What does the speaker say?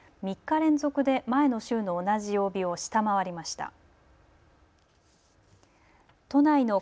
３日連続で前の週の同じ曜日を下回りました。